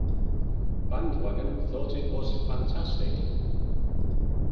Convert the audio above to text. Bandwagon thought it was "fantastic".